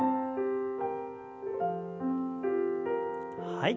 はい。